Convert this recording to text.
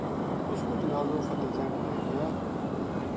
اُس کو جنازو فتح جنگ لے گیا